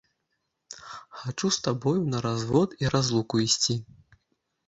Хачу з табою на развод і разлуку ісці!